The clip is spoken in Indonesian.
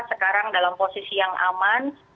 sekarang dalam posisi yang aman